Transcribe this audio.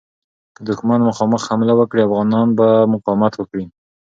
که دښمن مخامخ حمله وکړي، افغانان به مقاومت وکړي.